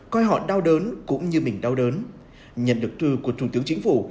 coi họ đau đớn cũng như mình đau đớn nhận được thư của thủ tướng chính phủ